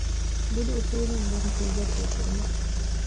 ބިޑު އުސޫލުން ބިން ކުއްޔަށް ދޫކުރުމަށް